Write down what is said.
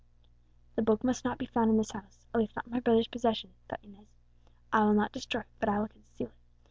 "The Book must not be found in this house, at least not in my brother's possession," thought Inez. "I will not destroy, but I will conceal it.